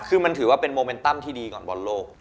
คือมันถือว่าเป็นโมเมนตัมที่ดีก่อนบอลโลก